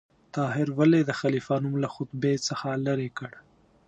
طاهر ولې د خلیفه نوم له خطبې څخه لرې کړ؟